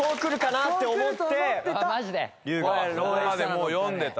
もう読んでた。